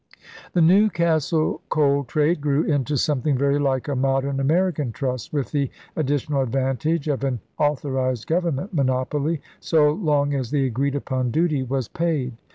ELIZABETHAN ENGLAND 65 The Newcastle coal trade grew into something very like a modern American trust with the ad ditional advantage of an authorized government monopoly so long as the agreed upon duty was paid.